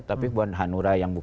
tapi bukan hanura yang